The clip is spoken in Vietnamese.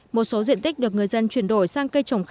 một số diện tích được người dân chuyển đổi sang cây trồng khác